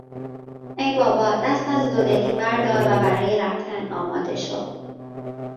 ای بابا دست از دو دلی بردار و برای رفتن آماده شو.